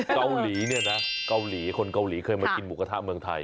เกาหลีเนี่ยนะเกาหลีคนเกาหลีเคยมากินหมูกระทะเมืองไทย